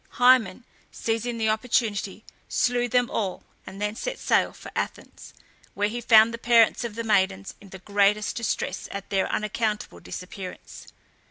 Hymen, seizing the opportunity, slew them all, and then set sail for Athens, where he found the parents of the maidens in the greatest distress at their unaccountable disappearance.